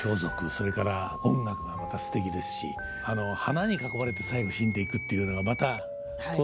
それから音楽がまたすてきですしあの花に囲まれて最後死んでいくっていうのがまたとてもすてきですね。